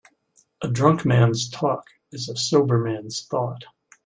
A drunk man's talk is a sober man's thought.